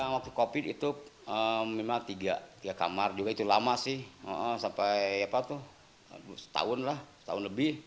waktu covid itu memang tiga kamar juga itu lama sih sampai setahun lah setahun lebih